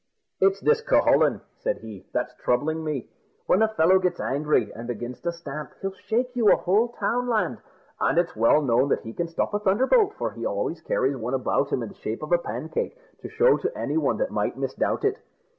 "It's this Cucullin," said he, "that's troubling me. When the fellow gets angry, and begins to stamp, he'll shake you a whole townland; and it's well known that he can stop a thunderbolt, for he always carries one about him in the shape of a pancake, to show to any one that might misdoubt it."